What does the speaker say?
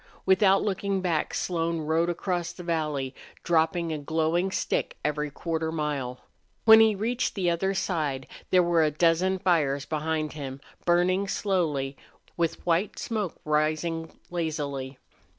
Without looking back, Slone rode across the valley, dropping a glowing stick every quarter of a mile. When he reached the other side there were a dozen fires behind him, burning slowly, with white smoke rising lazily.